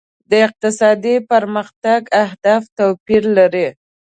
د اقتصادي پرمختګ اهداف توپیر لري.